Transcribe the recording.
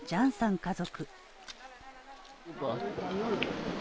家族。